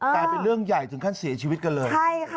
แต่เป็นเรื่องใหญ่ถึงขั้นเสียชีวิตกันเลย